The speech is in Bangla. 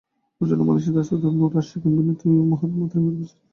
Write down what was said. অনুষ্ঠানে মালয়েশিয়ার রাষ্ট্রদূত নূর আশিকিন বিনতি মোহাম্মদ আইয়ুব উপস্থিত ছিলেন।